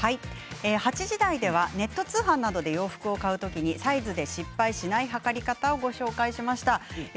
８時台ではネット通販などで洋服を買う時にサイズで失敗しない測り方をご紹介しました。